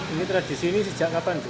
ini tradisi ini sejak kapan